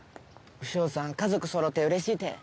潮さん家族そろってうれしいって。